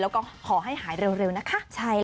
แล้วก็ขอให้หายเร็วนะคะ